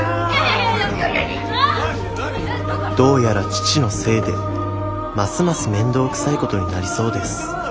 どうやら父のせいでますます面倒くさいことになりそうです